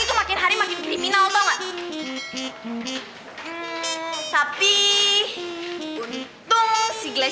bukan gue berubah lagi